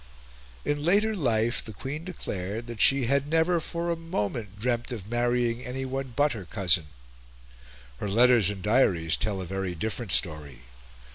In later life the Queen declared that she had never for a moment dreamt of marrying anyone but her cousin; her letters and diaries tell a very different story.